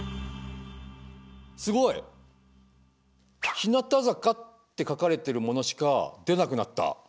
すごい！日向坂って書かれてるものしか出なくなった。